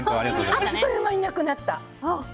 あっという間になくなった。